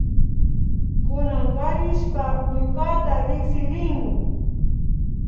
Kunankarishpa ñukata riksirinmi